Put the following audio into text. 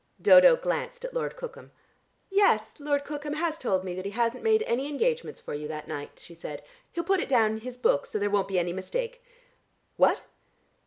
Dodo glanced at Lord Cookham. "Yes, Lord Cookham has told me that he hasn't made any engagements for you that night," she said. "He'll put it down in his book, so there won't be any mistake. What?"